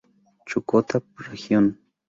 Chukotka Region